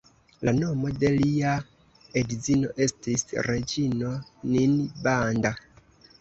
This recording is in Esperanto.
La nomo de lia edzino estis reĝino Ninbanda.